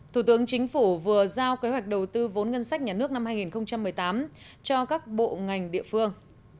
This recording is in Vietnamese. thủ tướng chính phủ vừa giao kế hoạch đầu tư vốn ngân sách nhà nước năm hai nghìn một mươi tám cho các bộ ngành địa phương